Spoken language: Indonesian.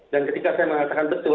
dan ketika saya mengatakan betul